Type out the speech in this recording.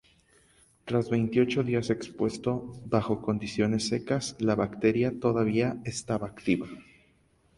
Tras veintiocho días expuesto bajo condiciones secas, la bacteria todavía estaba activa.